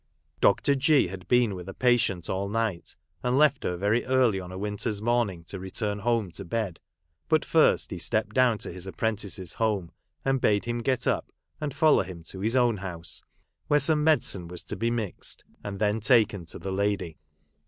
Dr. G had been with a patient all night, and left her very early on a winter's morning to return home to bed ; but first he stepped down to his apprentice's home, and bade him get up, and follow him to his own house, where some medicine was to be mixed, and then taken to the lady.